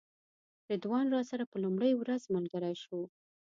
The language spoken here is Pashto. رضوان راسره په لومړۍ ورځ ملګری شو.